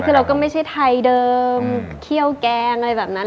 คือเราก็ไม่ใช่ไทยเดิมเคี่ยวแกงอะไรแบบนั้น